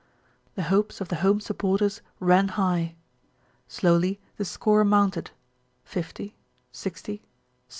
The hopes of the home sup porters ran high. Slowly the score mounted, 50, 60, 70.